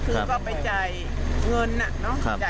คือไปจ่ายเงินเขา